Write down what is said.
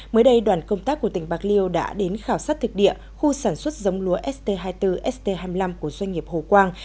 mới đây đoàn công tác của tỉnh bạc liêu đã đến khảo sát thực địa khu sản xuất giống lúa st hai mươi bốn st hai mươi năm của doanh nghiệp hồ quang